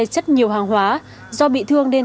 chất nhiều hàng hóa do bị thương nên